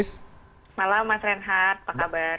selamat malam mas renhardt pak kabar